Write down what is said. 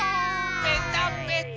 ぺたぺた。